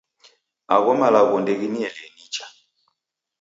Agho malagho ndeginielie nicha.